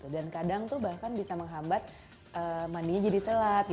dan kadang tuh bahkan bisa menghambat mandinya jadi telat